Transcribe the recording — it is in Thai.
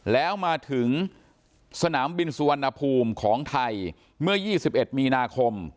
แล้วมาถึงสนามบินสุวรรณภูมิของไทยเมื่อ๒๑มีนาคม